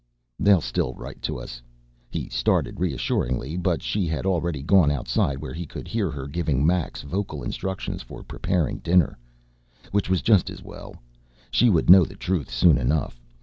"They'll still write to us," he started reassuring her but she had already gone outside where he could hear her giving Max vocal instructions for preparing dinner. Which was just as well she would know the truth soon enough.